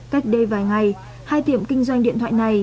cách đây vài ngày hai tiệm kinh doanh điện thoại này